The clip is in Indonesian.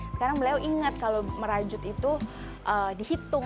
sekarang beliau ingat kalau merajut itu dihitung